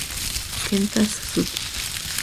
Kenta Suzuki